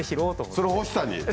それ欲しさに。